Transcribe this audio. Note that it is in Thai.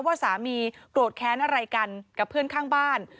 ว่าสามีโกรธแค้นอะไรกันกับเพื่อนข้างบ้าน